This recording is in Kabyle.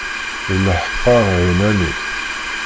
D leḥqer ɛinani.